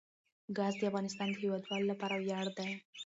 ګاز د افغانستان د هیوادوالو لپاره ویاړ دی.